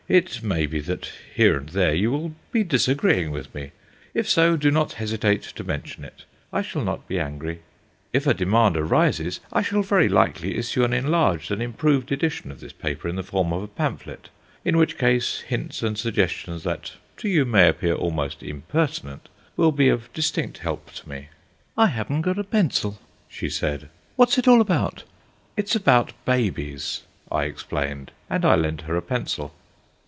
It may be that here and there you will be disagreeing with me. If so, do not hesitate to mention it, I shall not be angry. If a demand arises I shall very likely issue an enlarged and improved edition of this paper in the form of a pamphlet, in which case hints and suggestions that to you may appear almost impertinent will be of distinct help to me." "I haven't got a pencil," she said; "what's it all about?" "It's about babies," I explained, and I lent her a pencil.